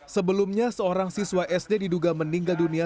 sebelumnya seorang siswa sd diduga meninggal dunia